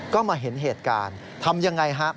ก็มาเห็นเหตุการณ์ทำยังไงฮะ